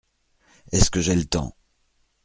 Est-ce que j’ai le temps !